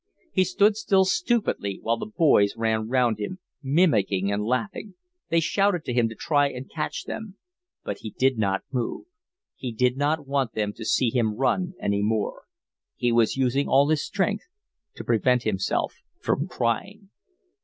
He stood still stupidly while the boys ran round him, mimicking and laughing; they shouted to him to try and catch them; but he did not move. He did not want them to see him run any more. He was using all his strength to prevent himself from crying.